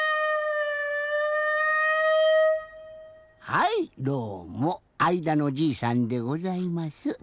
はいどうもあいだのじいさんでございます。